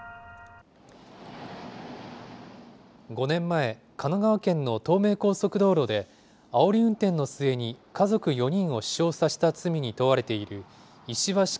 ５年前、神奈川県の東名高速道路で、あおり運転の末に家族４人を死傷させた罪に問われている、石橋